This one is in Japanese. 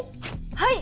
はい！